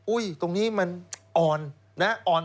อุ้ยตรงนี้มันอ่อน